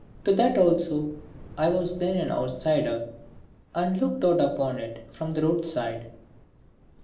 To that also I was then an outsider and looked out upon it from the roadside.